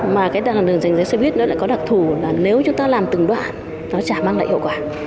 mà cái đường dành giấy xe buýt nó lại có đặc thù là nếu chúng ta làm từng đoạn nó chả mang lại hiệu quả